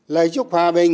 lời chúc hòa bình